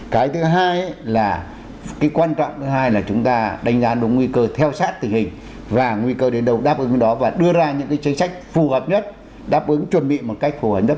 cái thứ hai là cái quan trọng thứ hai là chúng ta đánh giá đúng nguy cơ theo sát tình hình và nguy cơ đến đâu đáp ứng đó và đưa ra những chính sách phù hợp nhất đáp ứng chuẩn bị một cách phù hợp nhất